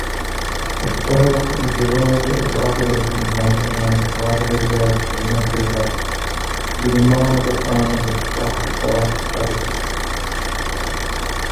އެއްފަހަރަކު ޖުވާގެ ވާދަވެރިކަމުގައި އޭނާގެ ވާދަވެރިޔާގެ ކުރިމަތީގައި ލުޤުމާނުގެފާނުގެ ސާހިބާ ބަލިވި